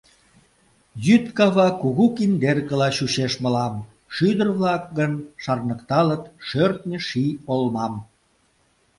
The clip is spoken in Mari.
Йӱд кава кугу киндеркыла чучеш мылам, шӱдыр-влак гын шарныкталыт шӧртньӧ-ший олмам.